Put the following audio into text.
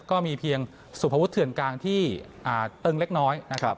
ก็มีเพียงสุภวุฒเถื่อนกลางที่ตึงเล็กน้อยนะครับ